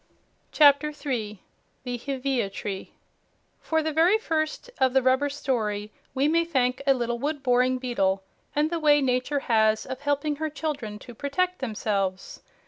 CHAPTER 3 THE HEVEA TREE For the very first of the rubber story we may thank a little wood boring beetle, and the way nature has of helping her children to protect themselves.